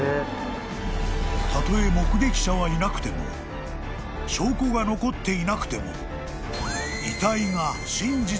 ［たとえ目撃者はいなくても証拠が残っていなくても］